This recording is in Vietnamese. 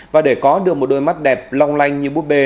và để có được một đôi mắt đẹp long lanh như bút bê